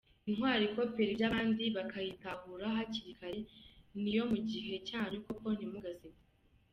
Intwari ikopera iby’abandi bakayitahura hakiri kare, Ni iyo mu gihe cyanyu koko ntimugasekwe.